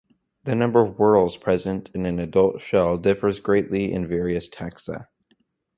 The number of whorls present in an adult shell differs greatly in various taxa.